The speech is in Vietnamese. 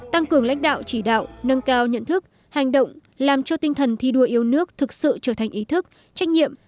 tăng cường lãnh đạo chỉ đạo nâng cao nhận thức hành động làm cho tinh thần thi đua yêu nước thực sự trở thành ý thức trách nhiệm